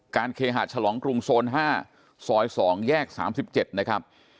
เคหะฉลองกรุงโซน๕ซอย๒แยก๓๗นะครับ